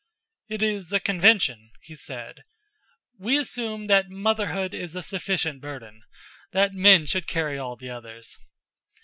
"It is a convention," he said. "We assume that motherhood is a sufficient burden that men should carry all the others."